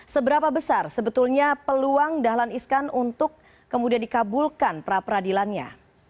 seberapa besar sebetulnya peluang dahlan iskan untuk kemudian dikabulkan pra peradilannya